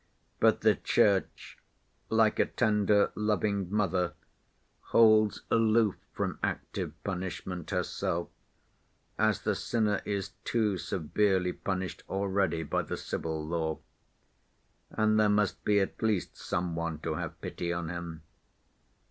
But the Church, like a tender, loving mother, holds aloof from active punishment herself, as the sinner is too severely punished already by the civil law, and there must be at least some one to have pity on him.